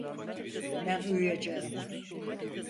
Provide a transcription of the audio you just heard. Ben uyuyacağım.